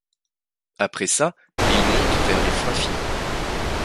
Après ça, il monte vers les freins finaux.